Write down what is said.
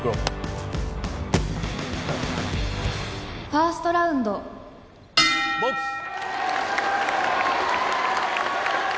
「ファーストラウンド」ボックス。